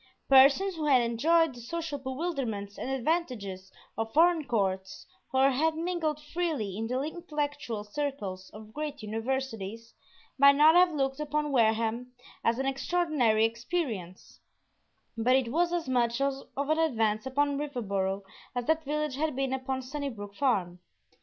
Persons who had enjoyed the social bewilderments and advantages of foreign courts, or had mingled freely in the intellectual circles of great universities, might not have looked upon Wareham as an extraordinary experience; but it was as much of an advance upon Riverboro as that village had been upon Sunnybrook Farm.